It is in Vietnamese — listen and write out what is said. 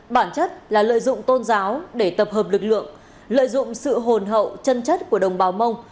bản chất là lợi dụng tôn giáo để tập hợp lực lượng lợi dụng sự hồn hậu chân chất của đồng bào mông